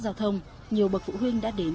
giao thông nhiều bậc phụ huynh đã đến